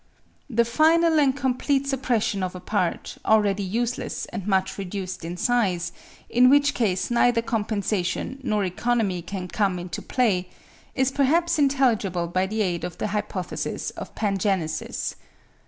The final and complete suppression of a part, already useless and much reduced in size, in which case neither compensation nor economy can come into play, is perhaps intelligible by the aid of the hypothesis of pangenesis.